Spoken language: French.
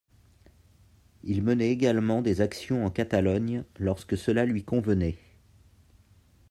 Il menait également des actions en Catalogne lorsque cela lui convenait.